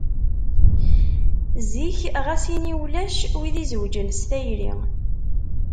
Zik ɣas ini ulac wid izewwǧen s tayri.